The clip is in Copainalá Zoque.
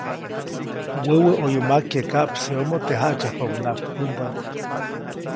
Wäwä ʼoyu makye kaʼpseʼomo teʼ jaʼtsyajpabänaʼajk pändaʼm.